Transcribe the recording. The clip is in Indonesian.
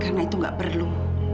karena itu gak perlu